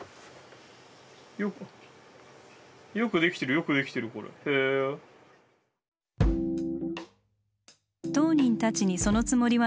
よくよくできてるよくできてるこれ。